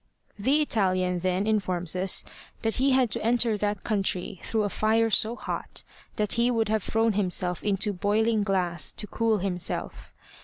The Italian, then, informs us that he had to enter that country through a fire so hot that he would have thrown himself into boiling glass to cool himself.